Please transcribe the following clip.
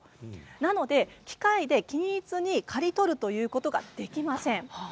なので機械で均一に刈り取るということができません。